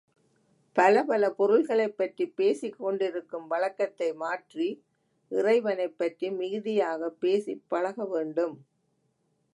பல பல பொருள்களைப் பற்றி பேசிக் கொண்டிருக்கும் வழக்கத்தை மாற்றி இறைவனைப் பற்றி மிகுதியாகப் பேசிப் பழக வேண்டும்.